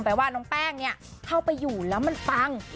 แป้งนี้เข้าไปอยู่แล้วมันฟัง